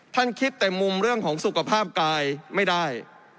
คิดแต่มุมเรื่องของสุขภาพกายไม่ได้